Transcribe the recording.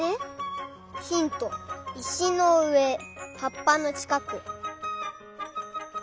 ヒントいしのうえはっぱのちかく。